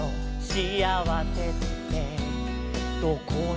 「シアワセってどこにある」